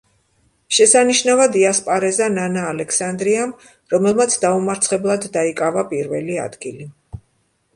შესანიშნავად იასპარეზა ნანა ალექსანდრიამ, რომელმაც დაუმარცხებლად დაიკავა პირველი ადგილი.